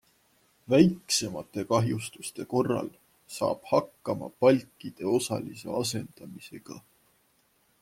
Väiksemate kahjustuste korral saab hakkama palkide osalise asendamisega.